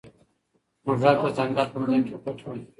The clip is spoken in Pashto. موږک د ځنګل په ځمکه کې پټ وي.